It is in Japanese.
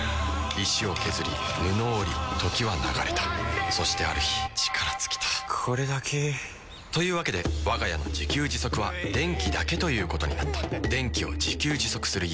石を削り布を織り時は流れたそしてある日力尽きたこれだけ。というわけでわが家の自給自足は電気だけということになった電気を自給自足する家。